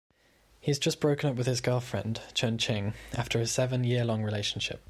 He has just broken up with his girlfriend, Chun Ching, after a seven-year-long relationship.